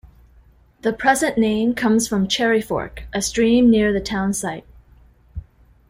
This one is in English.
The present name comes from Cherry Fork, a stream near the town site.